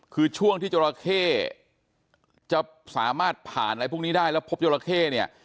คือช่วงที่จราเข้จะสามารถผ่านอะไรพวกนี้ได้แล้วพบจราเข้เนี่ย